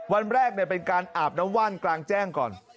วันแรกเป็นการอาบน้ำว่านกลางแจ้งก่อน